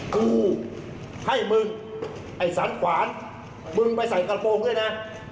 กูให้มึงไอ้สันขวานมึงไปใส่กระโปรงด้วยนะ